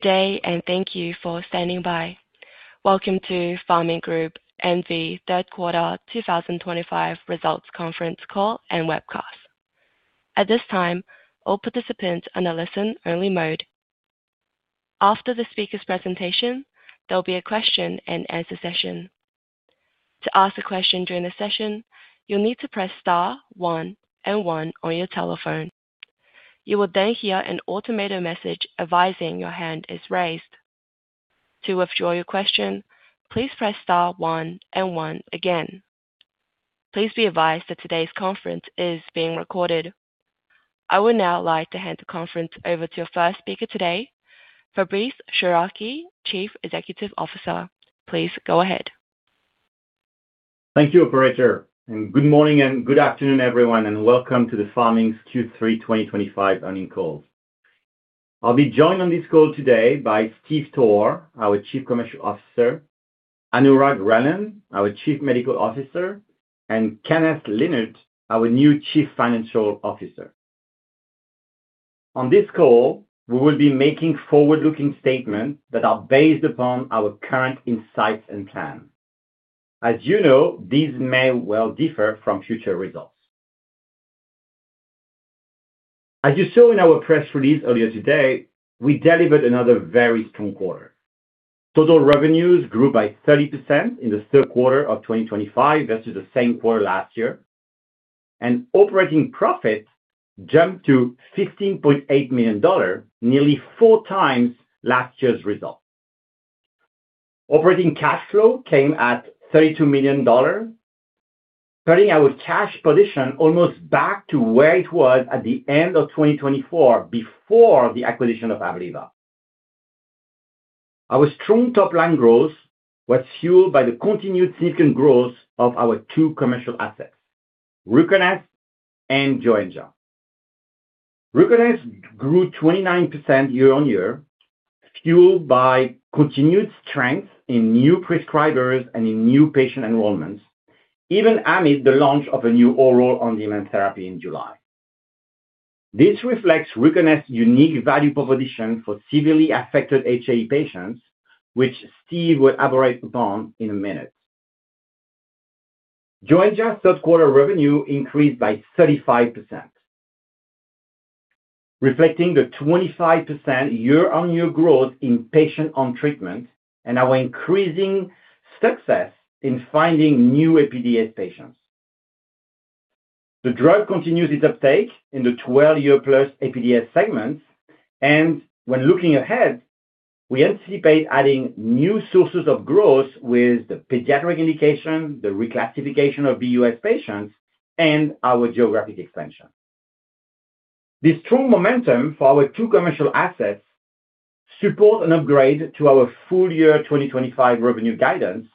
Today, and thank you for standing by. Welcome to Pharming Group N.V. Third Quarter 2025 Results Conference Call and Webcast. At this time, all participants are in a listen-only mode. After the speaker's presentation, there will be a Q&A session. To ask a question during the session, you'll need to press * one and one on your telephone. You will then hear an automated message advising your hand is raised. To withdraw your question, please press * one and one again. Please be advised that today's conference is being recorded. I would now like to hand the conference over to your first speaker today, Fabrice Chouraqui, Chief Executive Officer. Please go ahead. Thank you, Operator. Good morning and good afternoon, everyone, and welcome to the Pharming Q3 2025 Earnings Call. I'll be joined on this call today by Stephen Toor, our Chief Commercial Officer; Anurag Relan, our Chief Medical Officer; and Kenneth Lynard, our new Chief Financial Officer. On this call, we will be making forward-looking statements that are based upon our current insights and plan. As you know, these may well differ from future results. As you saw in our press release earlier today, we delivered another very strong quarter. Total revenues grew by 30% in the third quarter of 2025 versus the same quarter last year. Operating profit jumped to $15.8 million, nearly four times last year's result. Operating cash flow came at $32 million, turning our cash position almost back to where it was at the end of 2024 before the acquisition of Abliva. Our strong top-line growth was fueled by the continued significant growth of our two commercial assets, Ruconest and Joenja. Ruconest grew 29% year-on-year, fueled by continued strength in new prescribers and in new patient enrollments, even amid the launch of a new oral on-demand therapy in July. This reflects Ruconest's unique value proposition for severely affected HAE patients, which Stephen will elaborate upon in a minute. Joenja's third-quarter revenue increased by 35%, reflecting the 25% year-on-year growth in patient-on-treatment and our increasing success in finding new APDS patients. The drug continues its uptake in the 12-year-plus APDS segments, and when looking ahead, we anticipate adding new sources of growth with the pediatric indication, the reclassification of VUS patients, and our geographic expansion. The strong momentum for our two commercial assets supports an upgrade to our full-year 2025 revenue guidance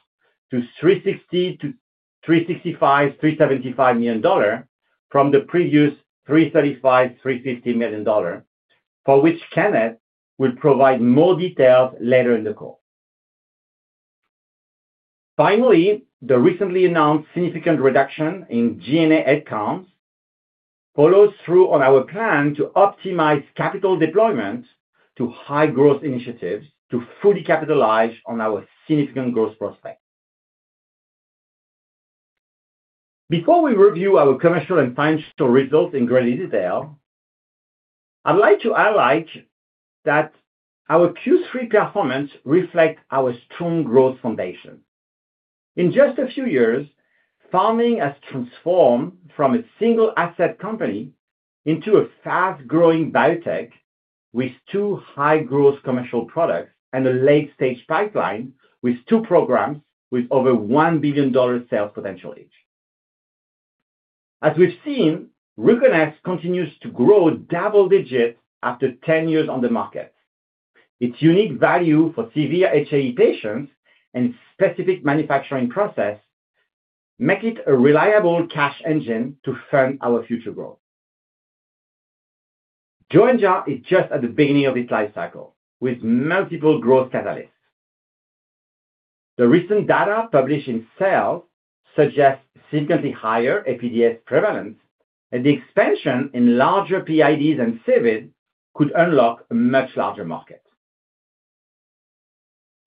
to $360-$365 million from the previous $335-$350 million, for which Kenneth will provide more details later in the call. Finally, the recently announced significant reduction in G&A headcounts follows through on our plan to optimize capital deployment to high-growth initiatives to fully capitalize on our significant growth prospect. Before we review our commercial and financial results in greater detail, I'd like to highlight that our Q3 performance reflects our strong growth foundation. In just a few years, Pharming has transformed from a single-asset company into a fast-growing biotech with two high-growth commercial products and a late-stage pipeline with two programs with over $1 billion sales potential each. As we've seen, Ruconest continues to grow double-digit after 10 years on the market. Its unique value for severe HAE patients and specific manufacturing process makes it a reliable cash engine to fund our future growth. Joenja is just at the beginning of its life cycle with multiple growth catalysts. The recent data published in Cell suggests significantly higher APDS prevalence, and the expansion in larger PIDs and CVID could unlock a much larger market.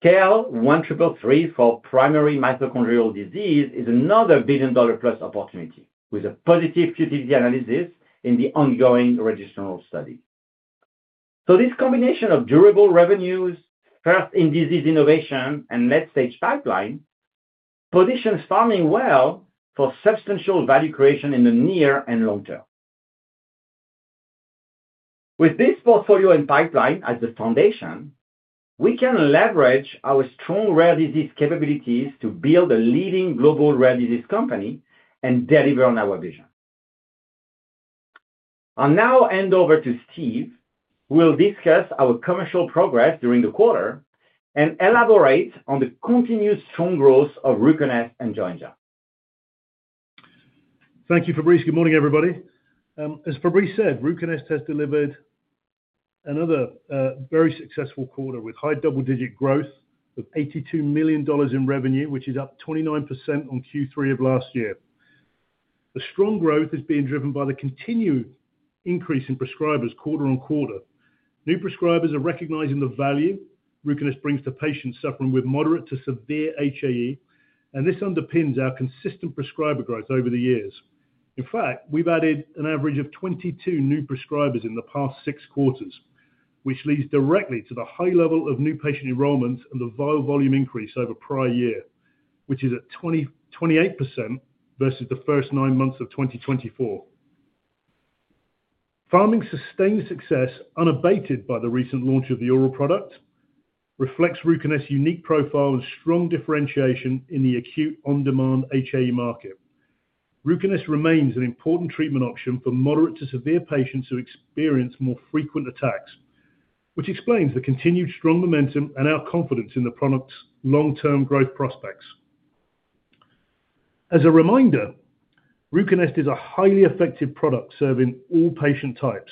KL1333 for primary mitochondrial disease is another billion-dollar-plus opportunity with a positive futility analysis in the ongoing registry study. This combination of durable revenues, first-in-disease innovation, and late-stage pipeline positions Pharming well for substantial value creation in the near and long term. With this portfolio and pipeline as the foundation, we can leverage our strong rare disease capabilities to build a leading global rare disease company and deliver on our vision. I'll now hand over to Stephen, who will discuss our commercial progress during the quarter and elaborate on the continued strong growth of Ruconest and Joenja. Thank you, Fabrice. Good morning, everybody. As Fabrice said, Ruconest has delivered. Another very successful quarter with high double-digit growth of $82 million in revenue, which is up 29% on Q3 of last year. The strong growth is being driven by the continued increase in prescribers quarter on quarter. New prescribers are recognizing the value Ruconest brings to patients suffering with moderate to severe HAE, and this underpins our consistent prescriber growth over the years. In fact, we've added an average of 22 new prescribers in the past six quarters, which leads directly to the high level of new patient enrollments and the volume increase over prior year, which is at 28% versus the first nine months of 2024. Pharming's sustained success, unabated by the recent launch of the oral product, reflects Ruconest's unique profile and strong differentiation in the acute on-demand HAE market. Ruconest remains an important treatment option for moderate to severe patients who experience more frequent attacks, which explains the continued strong momentum and our confidence in the product's long-term growth prospects. As a reminder, Ruconest is a highly effective product serving all patient types: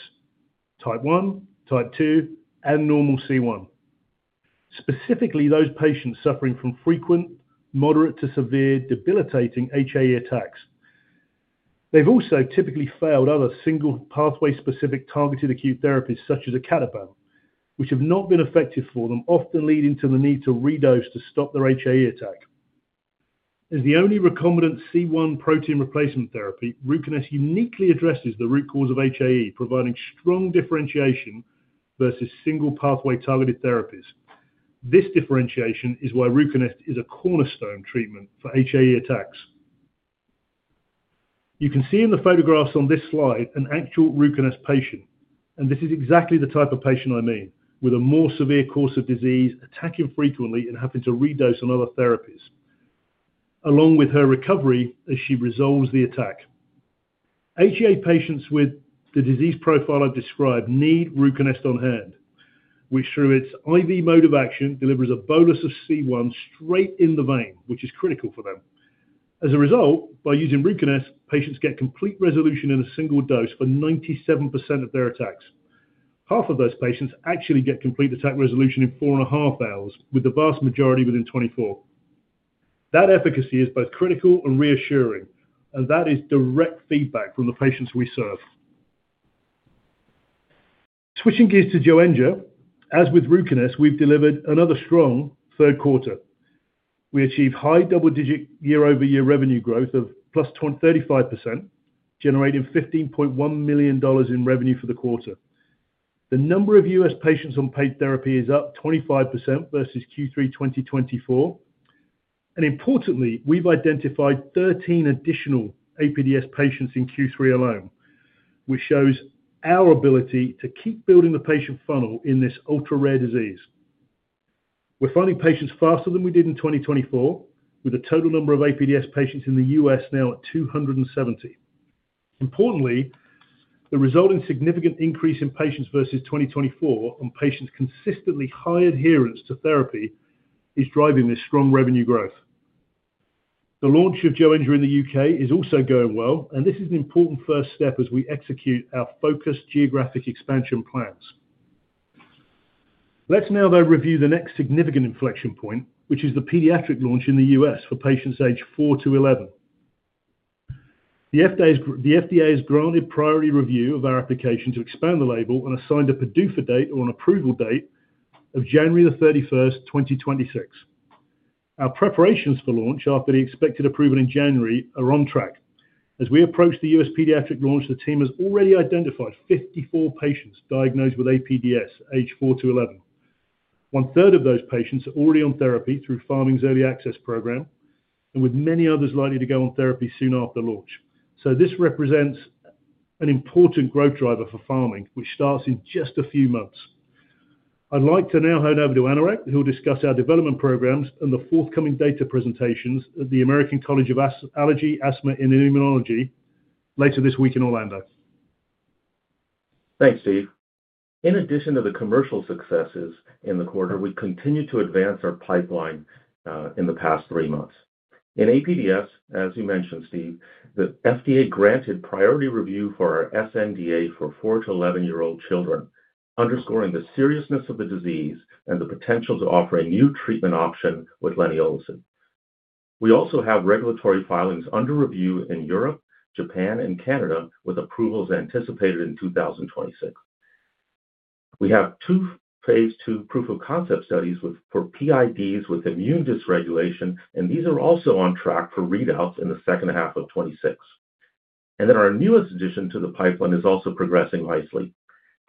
type 1, type 2, and normal C1. Specifically, those patients suffering from frequent, moderate to severe, debilitating HAE attacks. They've also typically failed other single-pathway-specific targeted acute therapies such as sebetralstat, which have not been effective for them, often leading to the need to redose to stop their HAE attack. As the only recombinant C1 protein replacement therapy, Ruconest uniquely addresses the root cause of HAE, providing strong differentiation versus single-pathway targeted therapies. This differentiation is why Ruconest is a cornerstone treatment for HAE attacks. You can see in the photographs on this slide an actual Ruconest patient, and this is exactly the type of patient I mean, with a more severe course of disease, attacking frequently and having to redose on other therapies. Along with her recovery as she resolves the attack. HAE patients with the disease profile I've described need Ruconest on hand, which, through its IV mode of action, delivers a bolus of C1 straight in the vein, which is critical for them. As a result, by using Ruconest, patients get complete resolution in a single dose for 97% of their attacks. Half of those patients actually get complete attack resolution in four and a half hours, with the vast majority within 24. That efficacy is both critical and reassuring, and that is direct feedback from the patients we serve. Switching gears to Joenja, as with Ruconest, we've delivered another strong third quarter. We achieved high double-digit year-over-year revenue growth of +35%, generating $15.1 million in revenue for the quarter. The number of U.S. patients on paid therapy is up 25% versus Q3 2023. Importantly, we've identified 13 additional APDS patients in Q3 alone, which shows our ability to keep building the patient funnel in this ultra-rare disease. We're finding patients faster than we did in 2023, with the total number of APDS patients in the U.S. now at 270. Importantly, the resulting significant increase in patients versus 2023 and patients' consistently high adherence to therapy is driving this strong revenue growth. The launch of Joenja in the U.K. is also going well, and this is an important first step as we execute our focused geographic expansion plans. Let's now, though, review the next significant inflection point, which is the pediatric launch in the US for patients aged 4 to 11. The FDA has granted priority review of our application to expand the label and assigned a PDUFA date or an approval date of January 31, 2026. Our preparations for launch, after being expected to be approved in January, are on track. As we approach the US pediatric launch, the team has already identified 54 patients diagnosed with APDS aged 4 to 11. One-third of those patients are already on therapy through Pharming's Early Access program, and with many others likely to go on therapy soon after launch. This represents an important growth driver for Pharming, which starts in just a few months. I'd like to now hand over to Anurag, who will discuss our development programs and the forthcoming data presentations at the American College of Allergy, Asthma, and Immunology later this week in Orlando. Thanks, Stephen. In addition to the commercial successes in the quarter, we continue to advance our pipeline in the past three months. In APDS, as you mentioned, Stephen, the FDA granted priority review for our sNDA for 4- to 11-year-old children, underscoring the seriousness of the disease and the potential to offer a new treatment option with leniolisib. We also have regulatory filings under review in Europe, Japan, and Canada, with approvals anticipated in 2026. We have two phase two proof-of-concept studies for PIDs with immune dysregulation, and these are also on track for readouts in the second half of 2026. Our newest addition to the pipeline is also progressing nicely: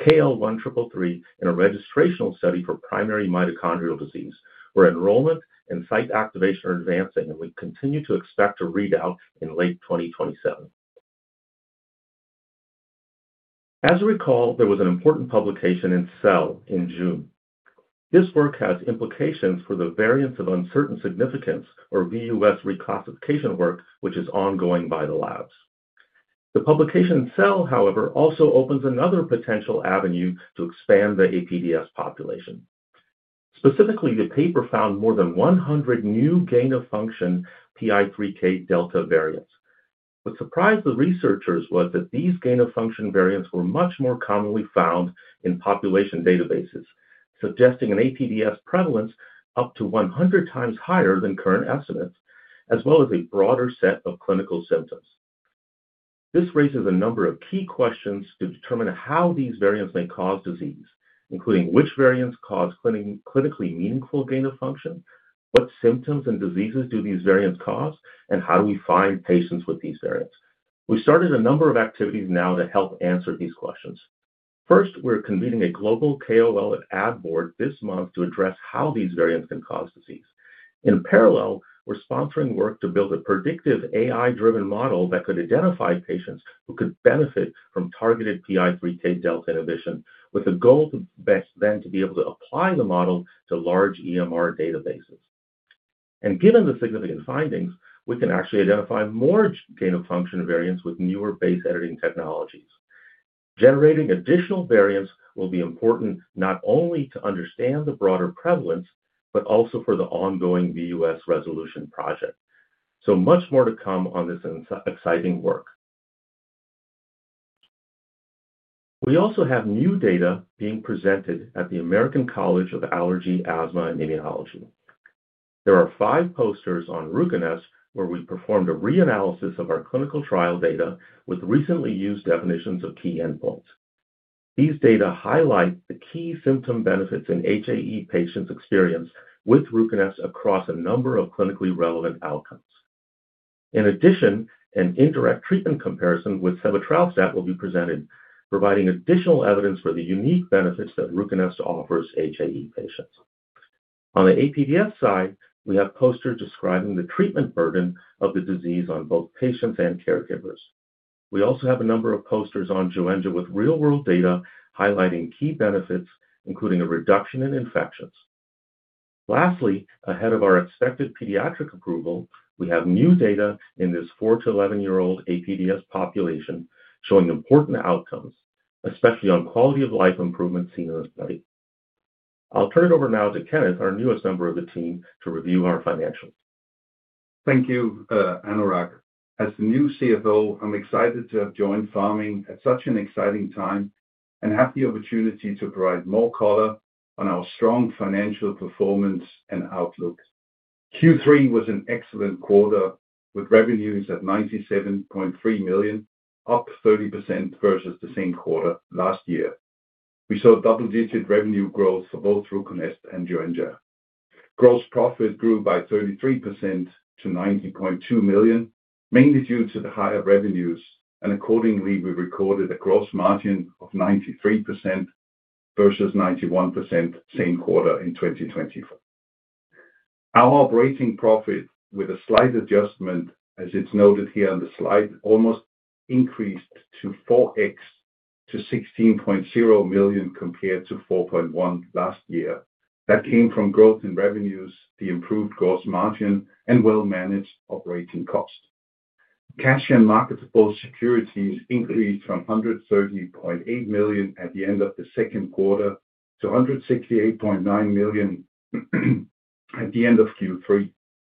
KL1333 in a registrational study for primary mitochondrial disease, where enrollment and site activation are advancing, and we continue to expect a readout in late 2027. As you recall, there was an important publication in Cell in June. This work has implications for the variants of uncertain significance, or VUS reclassification work, which is ongoing by the labs. The publication in Cell, however, also opens another potential avenue to expand the APDS population. Specifically, the paper found more than 100 new gain-of-function PI3K delta variants. What surprised the researchers was that these gain-of-function variants were much more commonly found in population databases, suggesting an APDS prevalence up to 100 times higher than current estimates, as well as a broader set of clinical symptoms. This raises a number of key questions to determine how these variants may cause disease, including which variants cause clinically meaningful gain-of-function, what symptoms and diseases do these variants cause, and how do we find patients with these variants. We started a number of activities now to help answer these questions. First, we're convening a global KOL and ad board this month to address how these variants can cause disease. In parallel, we're sponsoring work to build a predictive AI-driven model that could identify patients who could benefit from targeted PI3K delta inhibition, with the goal then to be able to apply the model to large EMR databases. Given the significant findings, we can actually identify more gain-of-function variants with newer base editing technologies. Generating additional variants will be important not only to understand the broader prevalence, but also for the ongoing VUS resolution project. Much more to come on this exciting work. We also have new data being presented at the American College of Allergy, Asthma, and Immunology. There are five posters on Ruconest where we performed a reanalysis of our clinical trial data with recently used definitions of key endpoints. These data highlight the key symptom benefits in HIV patients' experience with Ruconest across a number of clinically relevant outcomes. In addition, an indirect treatment comparison with sebetralstat will be presented, providing additional evidence for the unique benefits that Ruconest offers HIV patients. On the APDS side, we have posters describing the treatment burden of the disease on both patients and caregivers. We also have a number of posters on Joenja with real-world data highlighting key benefits, including a reduction in infections. Lastly, ahead of our expected pediatric approval, we have new data in this 4 to 11-year-old APDS population showing important outcomes, especially on quality of life improvement seen in the study. I'll turn it over now to Kenneth, our newest member of the team, to review our financials. Thank you, Anurag. As the new CFO, I'm excited to have joined Pharming at such an exciting time and have the opportunity to provide more color on our strong financial performance and outlook. Q3 was an excellent quarter with revenues at $97.3 million, up 30% versus the same quarter last year. We saw double-digit revenue growth for both Ruconest and Joenja. Gross profit grew by 33% to $90.2 million, mainly due to the higher revenues, and accordingly, we recorded a gross margin of 93% versus 91% same quarter in 2024. Our operating profit, with a slight adjustment as it's noted here on the slide, almost increased to 4X to $16.0 million compared to $4.1 million last year. That came from growth in revenues, the improved gross margin, and well-managed operating cost. Cash and marketable securities increased from $130.8 million at the end of the second quarter to $168.9 million. At the end of Q3.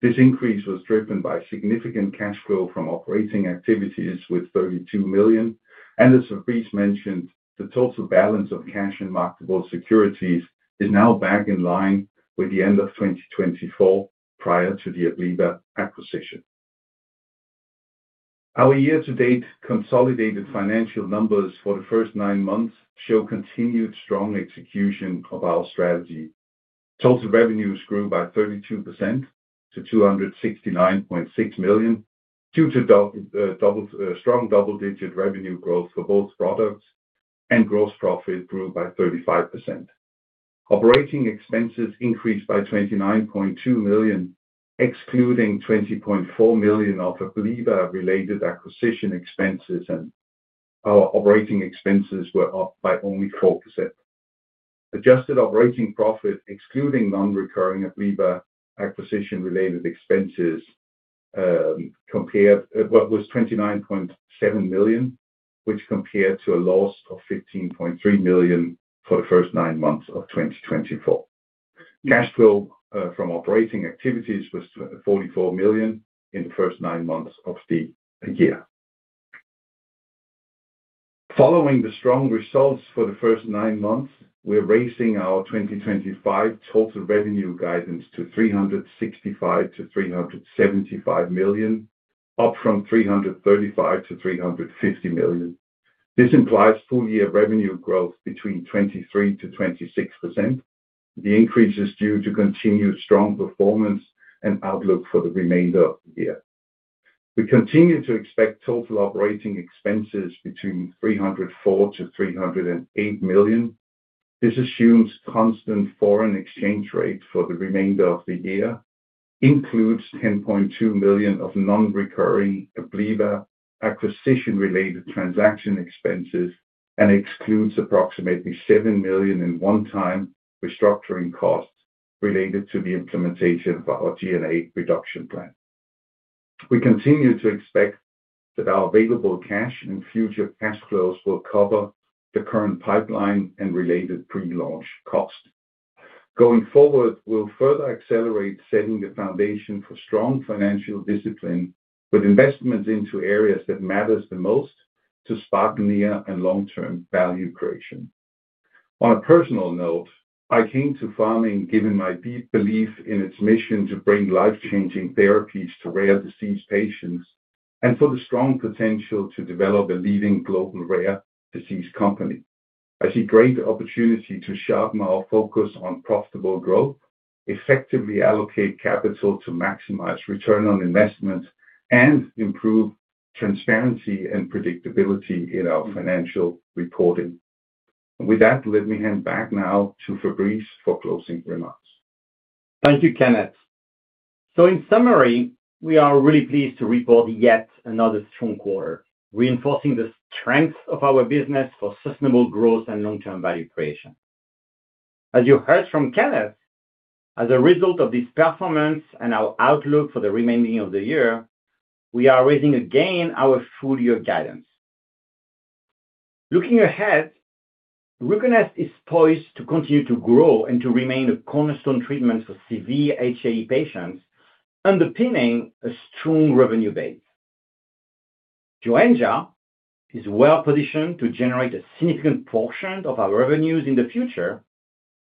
This increase was driven by significant cash flow from operating activities with $32 million. As Fabrice mentioned, the total balance of cash and marketable securities is now back in line with the end of 2024 prior to the Abliva acquisition. Our year-to-date consolidated financial numbers for the first nine months show continued strong execution of our strategy. Total revenues grew by 32% to $269.6 million due to strong double-digit revenue growth for both products, and gross profit grew by 35%. Operating expenses increased by $29.2 million, excluding $20.4 million of Abliva-related acquisition expenses, and our operating expenses were up by only 4%. Adjusted operating profit, excluding non-recurring Abliva acquisition-related expenses, was $29.7 million, which compared to a loss of $15.3 million for the first nine months of 2024. Cash flow from operating activities was $44 million in the first nine months of the year. Following the strong results for the first nine months, we're raising our 2025 total revenue guidance to $365 million-$375 million, up from $335 million-$350 million. This implies full-year revenue growth between 23%-26%. The increase is due to continued strong performance and outlook for the remainder of the year. We continue to expect total operating expenses between $304 million-$308 million. This assumes constant foreign exchange rate for the remainder of the year, includes $10.2 million of non-recurring Abliva acquisition-related transaction expenses, and excludes approximately $7 million in one-time restructuring costs related to the implementation of our G&A Reduction Plan. We continue to expect that our available cash and future cash flows will cover the current pipeline and related pre-launch cost. Going forward, we'll further accelerate setting the foundation for strong financial discipline with investments into areas that matter the most to spark near and long-term value creation. On a personal note, I came to Pharming given my deep belief in its mission to bring life-changing therapies to rare disease patients and for the strong potential to develop a leading global rare disease company. I see great opportunity to sharpen our focus on profitable growth, effectively allocate capital to maximize return on investment, and improve transparency and predictability in our financial reporting. With that, let me hand back now to Fabrice for closing remarks. Thank you, Kenneth. In summary, we are really pleased to report yet another strong quarter, reinforcing the strength of our business for sustainable growth and long-term value creation. As you heard from Kenneth, as a result of this performance and our outlook for the remainder of the year, we are raising again our full-year guidance. Looking ahead, Ruconest is poised to continue to grow and to remain a cornerstone treatment for severe HAE patients, underpinning a strong revenue base. Joenja is well-positioned to generate a significant portion of our revenues in the future,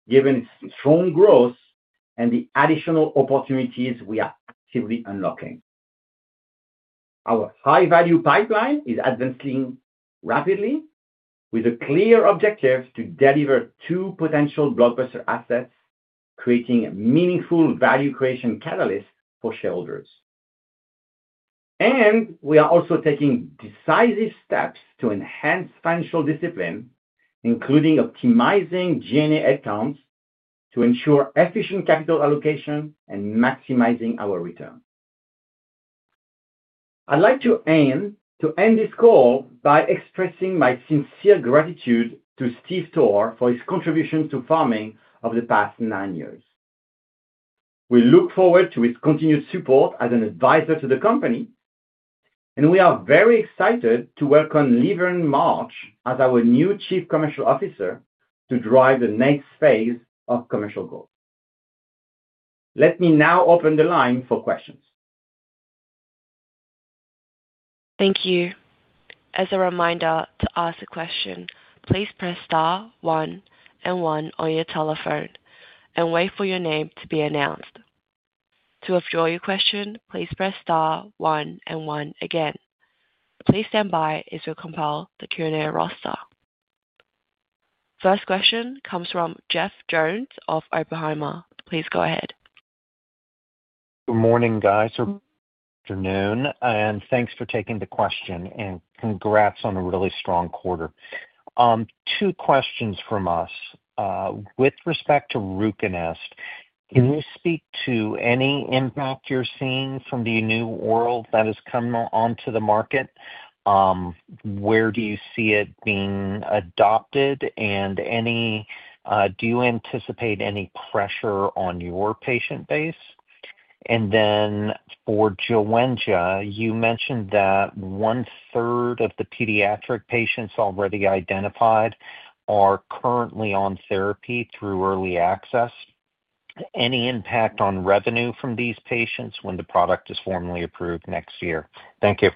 given its strong growth and the additional opportunities we are actively unlocking. Our high-value pipeline is advancing rapidly with a clear objective to deliver two potential blockbuster assets, creating a meaningful value creation catalyst for shareholders. We are also taking decisive steps to enhance financial discipline, including optimizing G&A accounts to ensure efficient capital allocation and maximizing our return. I would like to end this call by expressing my sincere gratitude to Stephen Toor for his contributions to Pharming over the past nine years. We look forward to his continued support as an advisor to the company. We are very excited to welcome Leigh Vernon March as our new Chief Commercial Officer to drive the next phase of commercial growth. Let me now open the line for questions. Thank you. As a reminder to ask a question, please press * one and one on your telephone and wait for your name to be announced. To withdraw your question, please press * one and one again. Please stand by as we compile the Q&A roster. First question comes from Jeff Jones of Oppenheimer. Please go ahead. Good morning, guys. Good afternoon. Thanks for taking the question. Congrats on a really strong quarter. Two questions from us. With respect to Ruconest, can you speak to any impact you're seeing from the new oral that has come onto the market? Where do you see it being adopted? Do you anticipate any pressure on your patient base? For Joenja, you mentioned that one-third of the pediatric patients already identified are currently on therapy through early access. Any impact on revenue from these patients when the product is formally approved next year? Thank you.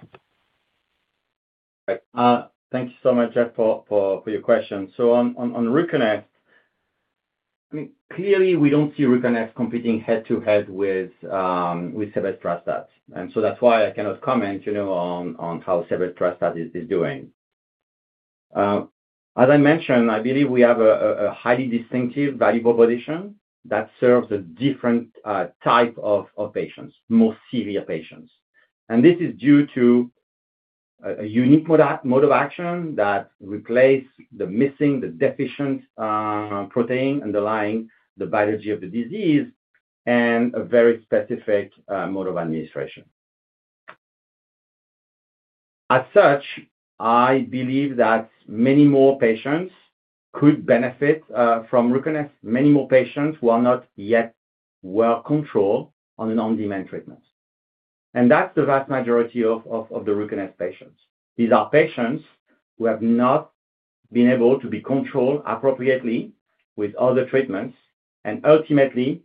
Thank you so much, Jeff, for your question. On Ruconest, clearly, we do not see Ruconest competing head-to-head with sebetralstat. That is why I cannot comment on how sebetralstat is doing. As I mentioned, I believe we have a highly distinctive, valuable position that serves a different type of patients, more severe patients. This is due to a unique mode of action that replaces the missing, the deficient protein underlying the biology of the disease and a very specific mode of administration. As such, I believe that many more patients could benefit from Ruconest, many more patients who are not yet well-controlled on an on-demand treatment. That is the vast majority of the Ruconest patients. These are patients who have not been able to be controlled appropriately with other treatments and ultimately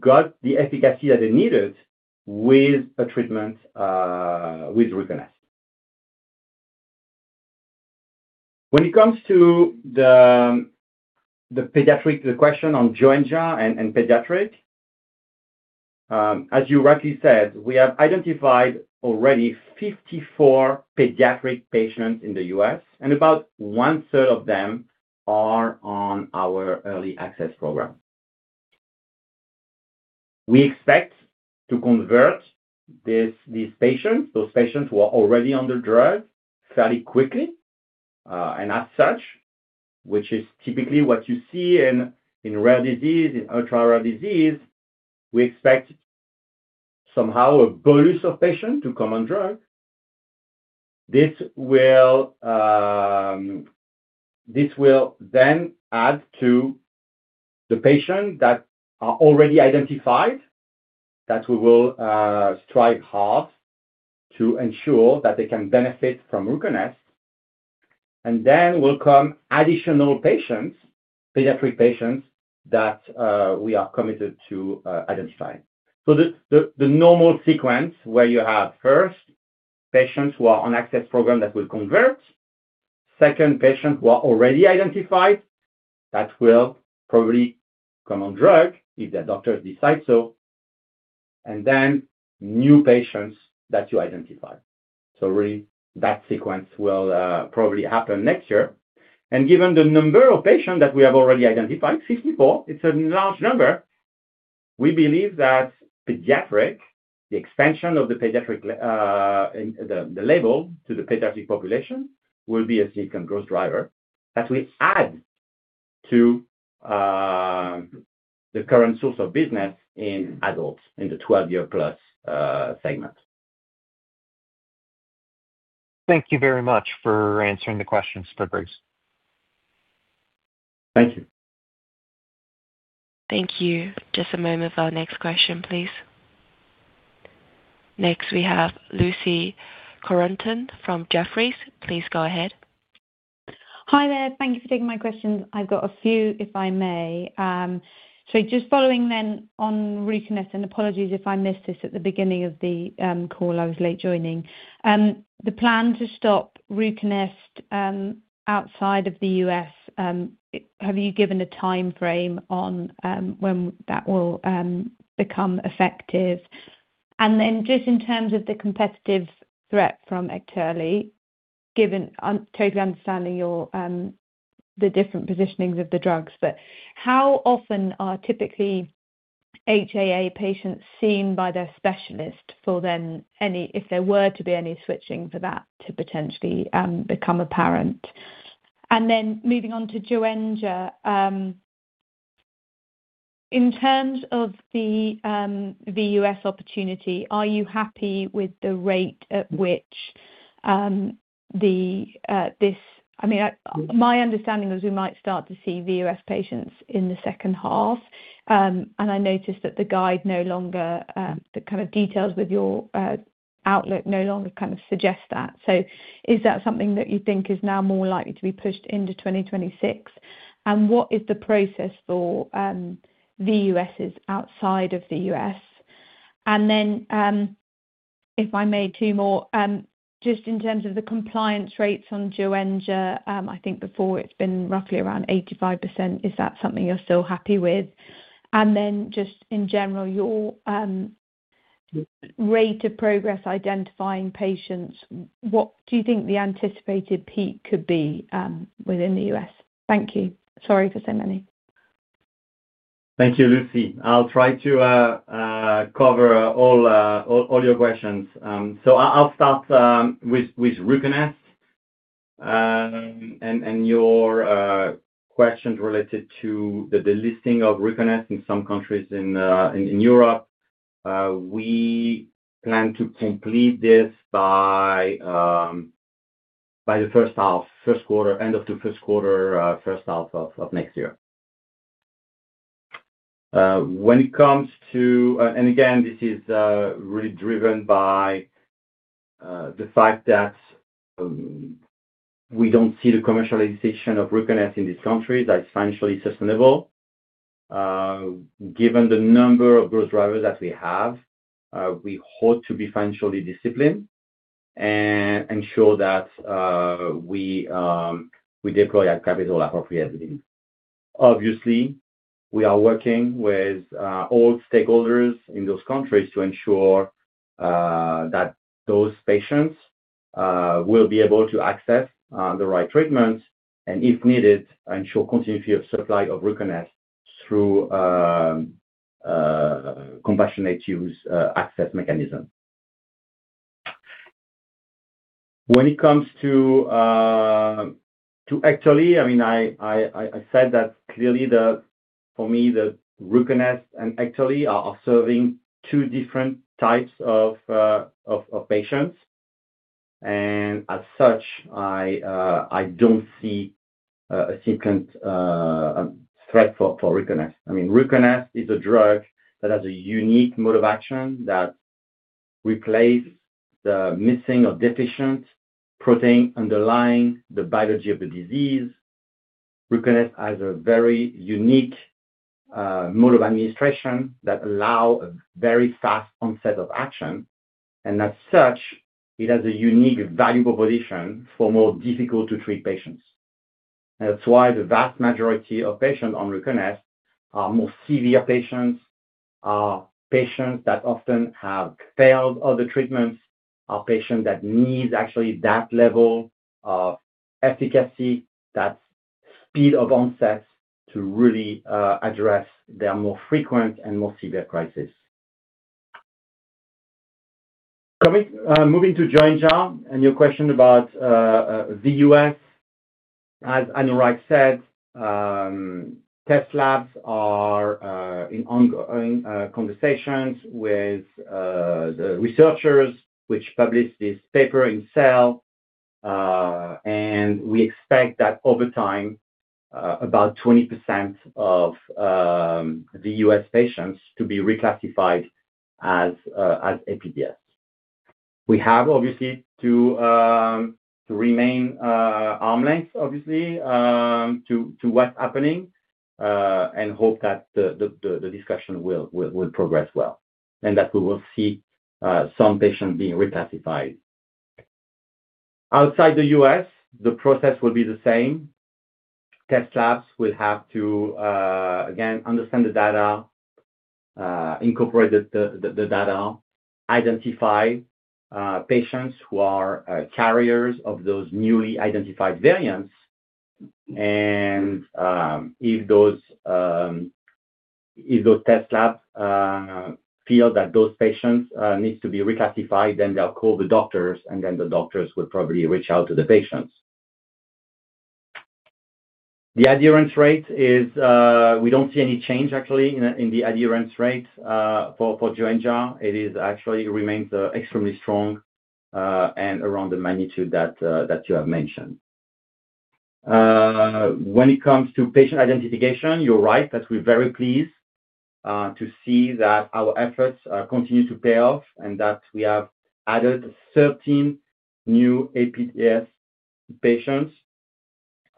got the efficacy that they needed with a treatment, with Ruconest. When it comes to the. Pediatric, the question on Joenja and pediatric. As you rightly said, we have identified already 54 pediatric patients in the US, and about one-third of them are on our early access program. We expect to convert these patients, those patients who are already on the drug, fairly quickly. As such, which is typically what you see in rare disease, in ultra-rare disease, we expect somehow a bolus of patients to come on drug. This will then add to the patients that are already identified. We will strive hard to ensure that they can benefit from Ruconest. Then will come additional patients, pediatric patients that we are committed to identifying. The normal sequence where you have first. Patients who are on access program that will convert, second patients who are already identified that will probably come on drug if the doctors decide so, and then new patients that you identify. Really, that sequence will probably happen next year. Given the number of patients that we have already identified, 54, it is a large number. We believe that the expansion of the label to the pediatric population will be a significant growth driver that we add to the current source of business in adults in the 12-year-plus segment. Thank you very much for answering the questions, Fabrice. Thank you. Thank you. Just a moment for our next question, please. Next, we have Lucy Codrington from Jefferies. Please go ahead. Hi there. Thank you for taking my questions. I've got a few, if I may. Just following then on Ruconest, and apologies if I missed this at the beginning of the call. I was late joining. The plan to stop Ruconest outside of the US, have you given a timeframe on when that will become effective? Just in terms of the competitive threat from sebetralstat, given I'm totally understanding the different positionings of the drugs, how often are typically HAE patients seen by their specialist for then any, if there were to be any switching for that to potentially become apparent? Moving on to Joenja, in terms of the VUS opportunity, are you happy with the rate at which—I mean, my understanding was we might start to see VUS patients in the second half. I noticed that the guide no longer, the kind of details with your outlook no longer kind of suggest that. Is that something that you think is now more likely to be pushed into 2026? What is the process for VUSs outside of the US? If I may, two more. Just in terms of the compliance rates on Joenja, I think before it's been roughly around 85%. Is that something you're still happy with? In general, your rate of progress identifying patients, what do you think the anticipated peak could be within the US? Thank you. Sorry for so many. Thank you, Lucy. I'll try to cover all your questions. I'll start with Ruconest and your questions related to the listing of Ruconest in some countries in Europe. We plan to complete this by the first quarter, end of the first quarter, first half of next year. When it comes to, and again, this is really driven by the fact that we do not see the commercialization of Ruconest in these countries as financially sustainable. Given the number of growth drivers that we have, we hope to be financially disciplined and ensure that we deploy our capital appropriately. Obviously, we are working with all stakeholders in those countries to ensure that those patients will be able to access the right treatments and, if needed, ensure continuity of supply of Ruconest through compassionate use access mechanism. When it comes to, actually, I mean, I said that clearly. For me, the Ruconest and actually are serving two different types of patients. As such, I do not see a significant threat for Ruconest. I mean, Ruconest is a drug that has a unique mode of action that replaces the missing or deficient protein underlying the biology of the disease. Ruconest has a very unique mode of administration that allows a very fast onset of action. As such, it has a unique valuable position for more difficult-to-treat patients. That is why the vast majority of patients on Ruconest are more severe patients, are patients that often have failed other treatments, are patients that need actually that level of efficacy, that speed of onset to really address their more frequent and more severe crises. Moving to Joenja and your question about VUS. As Anurag said, test labs are in ongoing conversations with the researchers which published this paper in Cell. We expect that over time, about 20% of VUS patients to be reclassified as APDS. We have obviously to remain arm-length, obviously, to what's happening. We hope that the discussion will progress well and that we will see some patients being reclassified. Outside the US, the process will be the same. Test labs will have to again understand the data, incorporate the data, identify patients who are carriers of those newly identified variants. If those test labs feel that those patients need to be reclassified, then they'll call the doctors, and then the doctors will probably reach out to the patients. The adherence rate is we don't see any change, actually, in the adherence rate for Joenja. It actually remains extremely strong and around the magnitude that you have mentioned. When it comes to patient identification, you're right that we're very pleased. To see that our efforts continue to pay off and that we have added 13 new APDS patients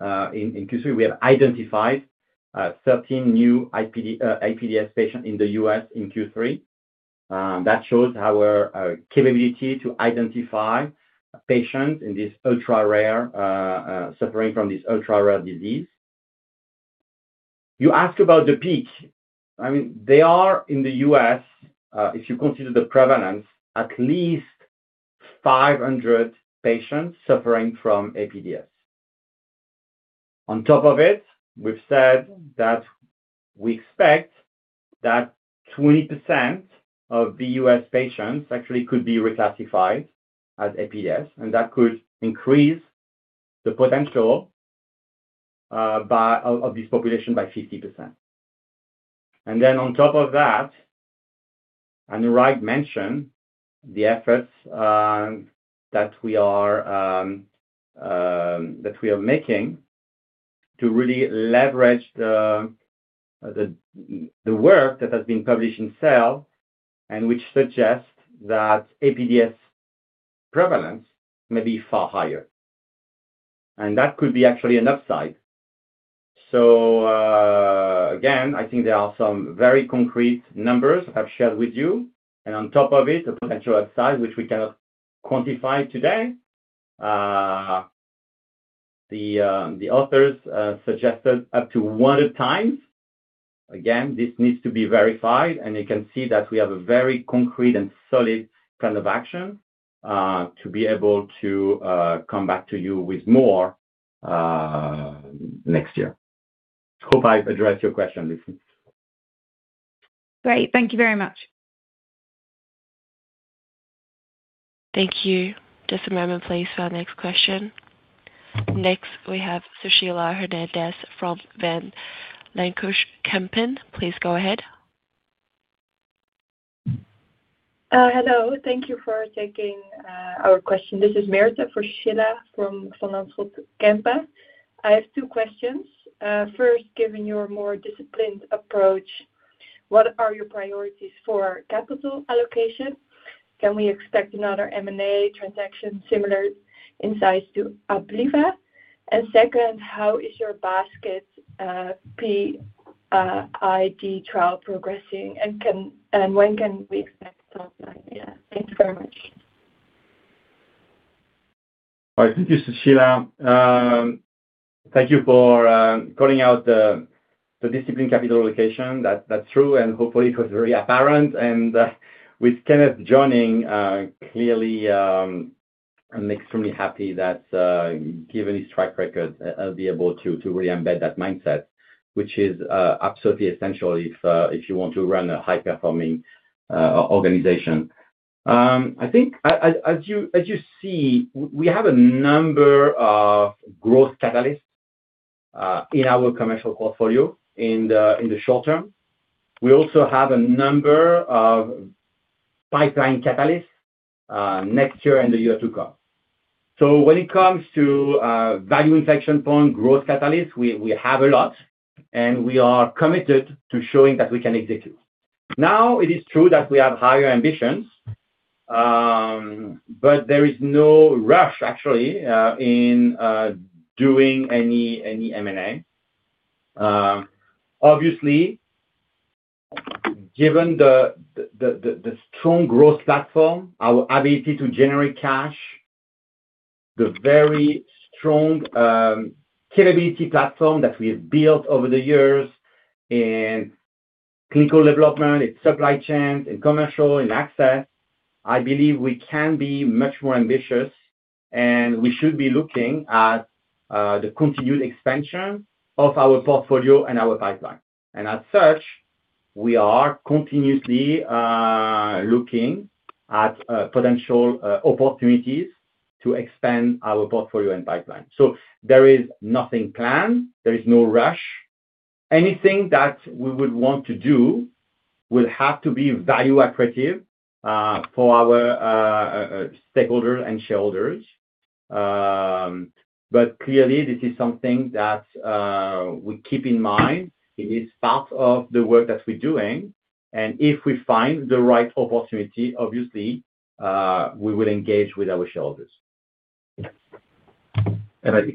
in Q3. We have identified 13 new APDS patients in the US in Q3. That shows our capability to identify patients suffering from this ultra-rare disease. You ask about the peak. I mean, there are in the US, if you consider the prevalence, at least 500 patients suffering from APDS. On top of it, we've said that we expect that 20% of VUS patients actually could be reclassified as APDS, and that could increase the potential of this population by 50%. On top of that, Anurag mentioned the efforts that we are making to really leverage the work that has been published in Cell and which suggests that APDS prevalence may be far higher, and that could be actually an upside. Again, I think there are some very concrete numbers I've shared with you. On top of it, the potential upside, which we cannot quantify today. The authors suggested up to 100 times. This needs to be verified, and you can see that we have a very concrete and solid plan of action. To be able to come back to you with more next year. Hope I've addressed your question, Lucy. Great. Thank you very much. Thank you. Just a moment, please, for our next question. Next, we have Sushila Hernandez from Van Lanschot Kempen. Please go ahead. Hello. Thank you for taking our question. This is Merethe Forsila from Van Lanschot Kempen. I have two questions. First, given your more disciplined approach, what are your priorities for capital allocation? Can we expect another M&A transaction similar in size to Abliva? Second, how is your basket PID trial progressing? When can we expect to start that? Yeah. Thank you very much. Hi, Sushila. Thank you for calling out the disciplined capital allocation. That's true, and hopefully, it was very apparent. With Kenneth joining, clearly, I'm extremely happy that given his track record, I'll be able to really embed that mindset, which is absolutely essential if you want to run a high-performing organization. I think, as you see, we have a number of growth catalysts in our commercial portfolio in the short term. We also have a number of pipeline catalysts next year and the year to come. When it comes to value inflection point growth catalysts, we have a lot, and we are committed to showing that we can execute. It is true that we have higher ambitions, but there is no rush, actually, in doing any M&A. Obviously, given the strong growth platform, our ability to generate cash, the very strong. Capability platform that we have built over the years. In clinical development, in supply chains, in commercial, in access, I believe we can be much more ambitious, and we should be looking at the continued expansion of our portfolio and our pipeline. As such, we are continuously looking at potential opportunities to expand our portfolio and pipeline. There is nothing planned. There is no rush. Anything that we would want to do will have to be value-appreciative for our stakeholders and shareholders. Clearly, this is something that we keep in mind. It is part of the work that we're doing. If we find the right opportunity, obviously we will engage with our shareholders.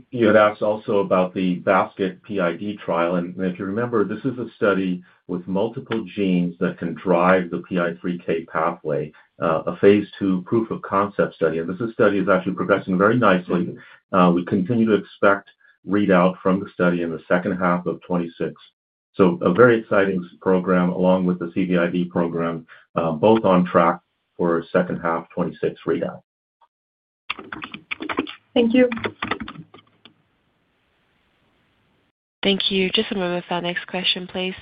You had asked also about the basket PID trial. This is a study with multiple genes that can drive the PI3K pathway, a phase two proof of concept study. This study is actually progressing very nicely. We continue to expect readout from the study in the second half of 2026. A very exciting program along with the CVID program, both on track for second half 2026 readout. Thank you. Thank you. Just a moment for our next question, please.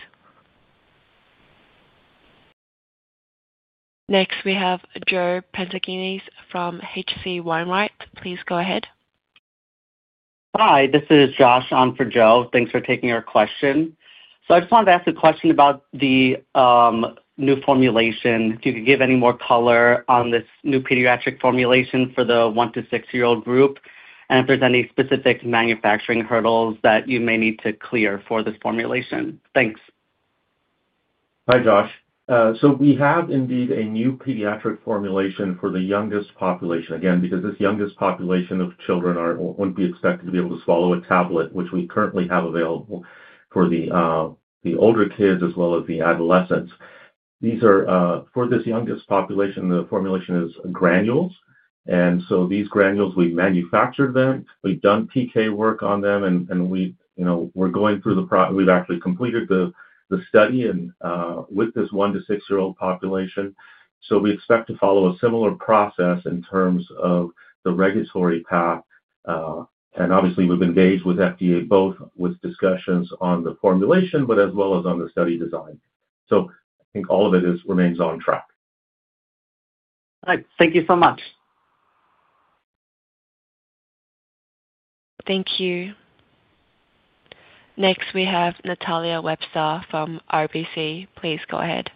Next, we have Joe Pantginis from H.C. Wainwright. Please go ahead. Hi. This is Josh on for Joe. Thanks for taking our question. I just wanted to ask a question about the new formulation, if you could give any more color on this new pediatric formulation for the one to six-year-old group, and if there's any specific manufacturing hurdles that you may need to clear for this formulation. Thanks. Hi, Josh. We have indeed a new pediatric formulation for the youngest population. Again, because this youngest population of children would not be expected to be able to swallow a tablet, which we currently have available for the older kids as well as the adolescents. For this youngest population, the formulation is granules. These granules, we have manufactured them. We have done PK work on them, and we are going through the, we have actually completed the study with this one to six-year-old population. We expect to follow a similar process in terms of the regulatory path. Obviously, we have engaged with FDA both with discussions on the formulation, as well as on the study design. I think all of it remains on track. Thank you so much. Thank you. Next, we have Natalia Webster from RBC. Please go ahead.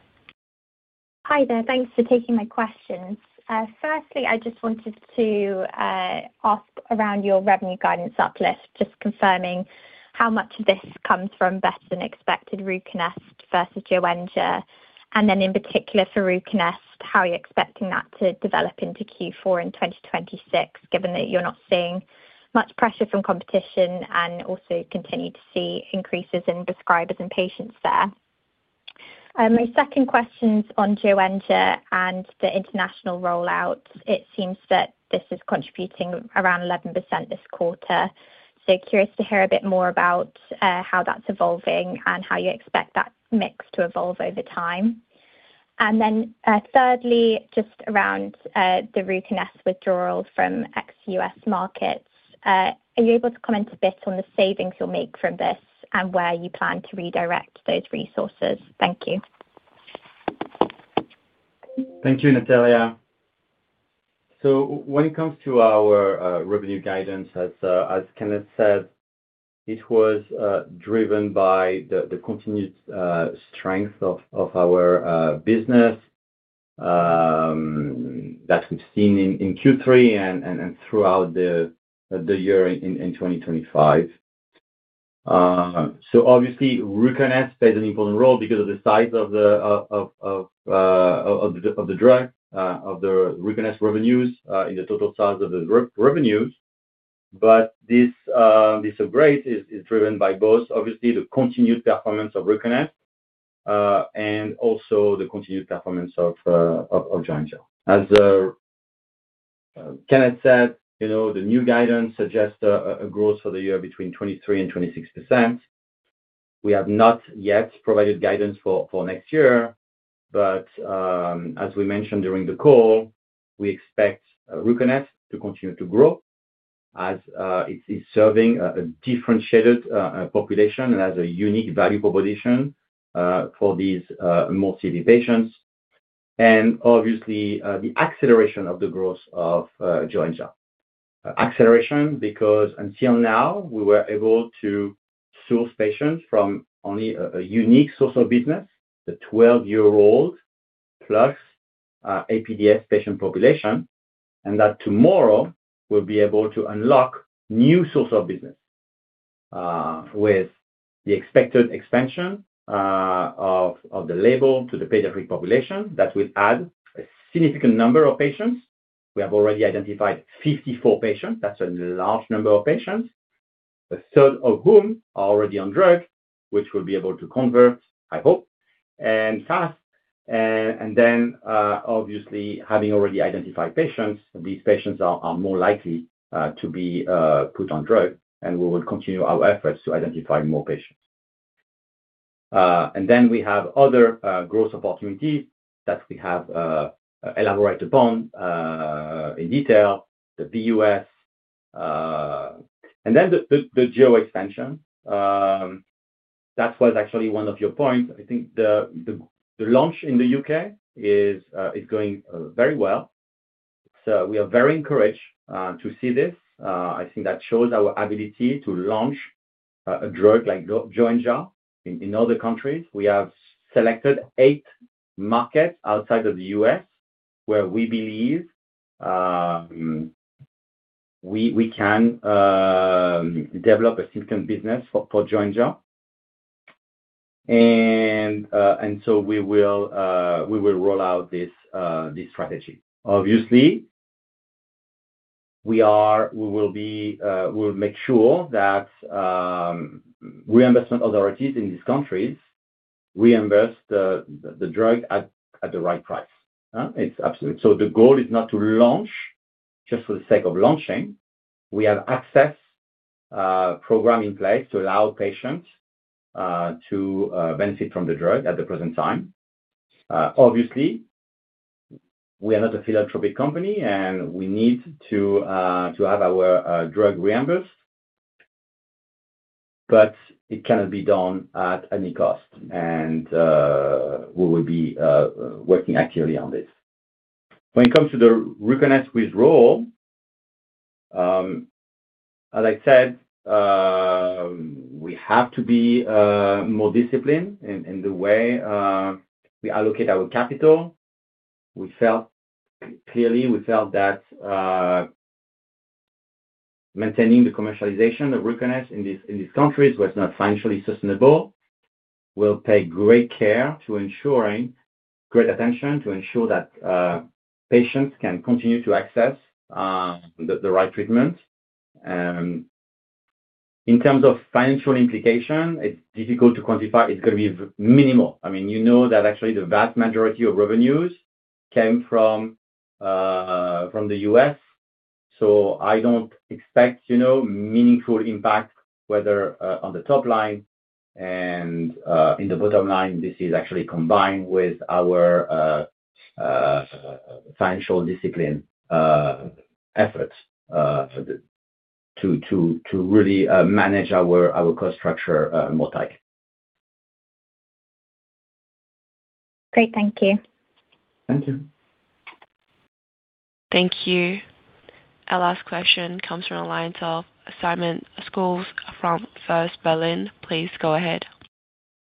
Hi there. Thanks for taking my questions. Firstly, I just wanted to ask around your revenue guidance uplift, just confirming how much of this comes from better-than-expected Ruconest versus Joenja. In particular for Ruconest, how are you expecting that to develop into Q4 in 2026, given that you're not seeing much pressure from competition and also continue to see increases in prescribers and patients there? My second question's on Joenja and the international rollout. It seems that this is contributing around 11% this quarter. Curious to hear a bit more about how that's evolving and how you expect that mix to evolve over time. Thirdly, just around the Ruconest withdrawal from ex-US markets, are you able to comment a bit on the savings you'll make from this and where you plan to redirect those resources? Thank you. Thank you, Natalia. When it comes to our revenue guidance, as Kenneth said, it was driven by the continued strength of our business that we have seen in Q3 and throughout the year in 2025. Obviously, Ruconest plays an important role because of the size of the drug, of the Ruconest revenues in the total size of the revenues. This upgrade is driven by both, obviously, the continued performance of Ruconest and also the continued performance of Joenja. As Kenneth said, the new guidance suggests a growth for the year between 23% and 26%. We have not yet provided guidance for next year, but as we mentioned during the call, we expect Ruconest to continue to grow as it is serving a differentiated population and has a unique value proposition for these more severe patients. Obviously, the acceleration of the growth of Joenja. Acceleration because until now, we were able to source patients from only a unique source of business, the 12-year-old plus APDS patient population, and that tomorrow we will be able to unlock new source of business with the expected expansion of the label to the pediatric population that will add a significant number of patients. We have already identified 54 patients. That is a large number of patients, a third of whom are already on drug, which we will be able to convert, I hope, and fast. Obviously, having already identified patients, these patients are more likely to be put on drug, and we will continue our efforts to identify more patients. We have other growth opportunities that we have elaborated upon in detail, the BUS, and then the geo-expansion. That was actually one of your points. I think the launch in the U.K. is going very well. We are very encouraged to see this. I think that shows our ability to launch a drug like Joenja in other countries. We have selected eight markets outside of the US where we believe we can develop a significant business for Joenja. We will roll out this strategy. Obviously, we will make sure that reimbursement authorities in these countries reimburse the drug at the right price. The goal is not to launch just for the sake of launching. We have an access program in place to allow patients to benefit from the drug at the present time. Obviously, we are not a philanthropic company, and we need to have our drug reimbursed. It cannot be done at any cost, and we will be working actively on this. When it comes to the Ruconest withdrawal, as I said, we have to be more disciplined in the way. We allocate our capital. Clearly, we felt that maintaining the commercialization of Ruconest in these countries was not financially sustainable. We'll pay great care to ensure great attention to ensure that patients can continue to access the right treatment. In terms of financial implication, it's difficult to quantify. It's going to be minimal. I mean, you know that actually the vast majority of revenues came from the US. I don't expect meaningful impact, whether on the top line and in the bottom line. This is actually combined with our financial discipline efforts to really manage our cost structure more tightly. Great. Thank you. Thank you. Thank you. Our last question comes from Alliance of Assignment Schools from First Berlin. Please go ahead.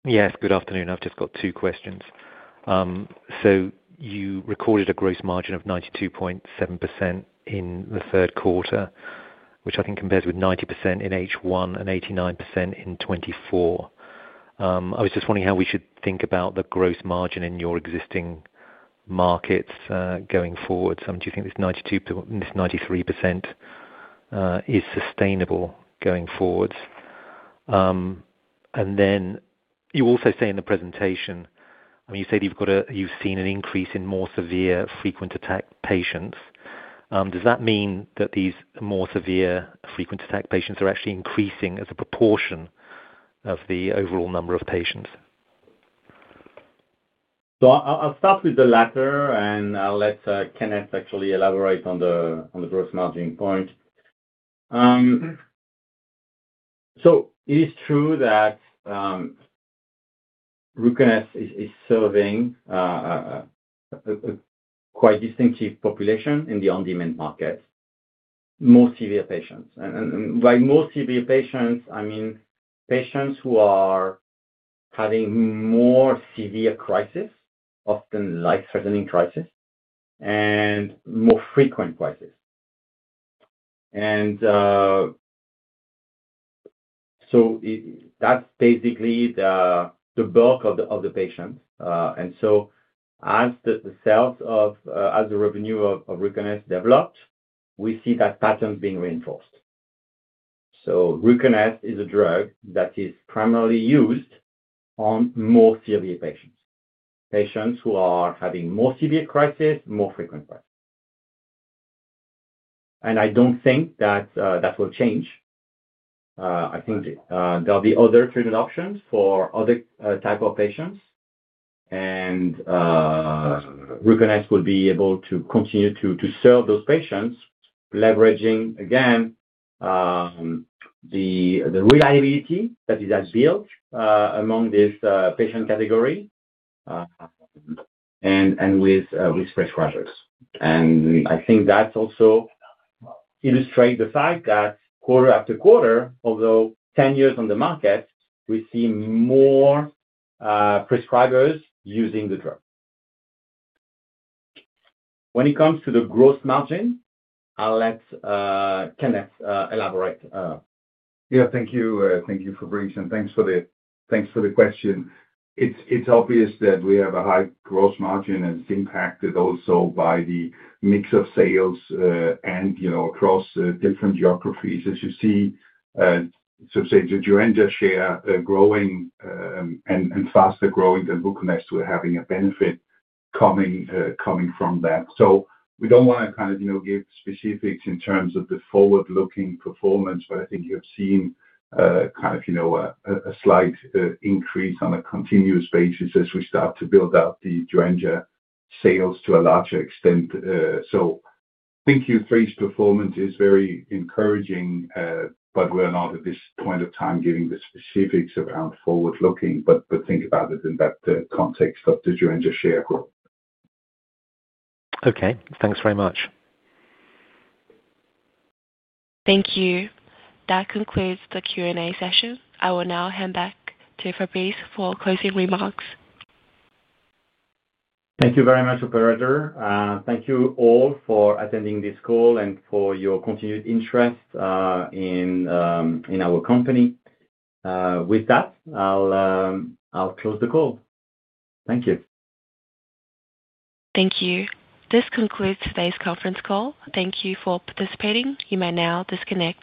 Yes. Good afternoon. I've just got two questions. You recorded a gross margin of 92.7% in the third quarter, which I think compares with 90% in the first half and 89% in 2024. I was just wondering how we should think about the gross margin in your existing markets going forward. Do you think this 93% is sustainable going forward? You also say in the presentation, I mean, you said you've seen an increase in more severe frequent attack patients. Does that mean that these more severe frequent attack patients are actually increasing as a proportion of the overall number of patients? I'll start with the latter, and I'll let Kenneth actually elaborate on the gross margin point. It is true that Ruconest is serving a quite distinctive population in the on-demand market. More severe patients. By more severe patients, I mean patients who are having more severe crises, often life-threatening crises, and more frequent crises. That's basically the bulk of the patients. As the revenue of Ruconest developed, we see that pattern being reinforced. Ruconest is a drug that is primarily used on more severe patients, patients who are having more severe crises, more frequent crises. I don't think that that will change. I think there'll be other treatment options for other types of patients. Ruconest will be able to continue to serve those patients, leveraging, again, the reliability that is built among this patient category. With prescribers. I think that also illustrates the fact that quarter after quarter, although 10 years on the market, we see more prescribers using the drug. When it comes to the gross margin, I'll let Kenneth elaborate. Yeah. Thank you. Thank you for briefs. Thanks for the question. It's obvious that we have a high gross margin and it's impacted also by the mix of sales and across different geographies, as you see. Joenja share is growing and faster growing than Ruconest, we're having a benefit coming from that. We don't want to kind of give specifics in terms of the forward-looking performance, but I think you've seen kind of a slight increase on a continuous basis as we start to build out the Joenja sales to a larger extent. I think Q3's performance is very encouraging, but we're not at this point of time giving the specifics around forward-looking, but think about it in that context of the Joenja share growth. Okay. Thanks very much. Thank you. That concludes the Q&A session. I will now hand back to Fabrice for closing remarks. Thank you very much, Operator. Thank you all for attending this call and for your continued interest in our company. With that, I'll close the call. Thank you. Thank you. This concludes today's conference call. Thank you for participating. You may now disconnect.